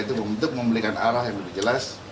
karena itu membutuhkan arah yang lebih jelas